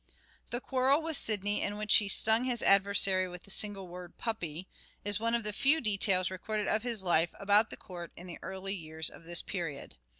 The quarrel with Sidney, in which he stung his ad versary with the single word " puppy," is one of the few details recorded of his life about the court in the early years of this period.